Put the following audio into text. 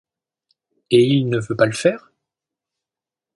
Et il ne veut pas le faire ?